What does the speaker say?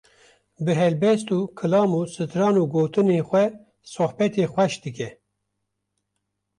bi helbest û kilam û stran û gotinên xwe sohbetê xweş dike.